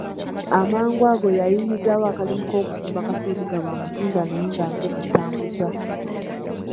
Amangu ago yayiiyizaawo akalimu k'okufumba kasooli nga bw'amutunda naye nga nze mmutambuza.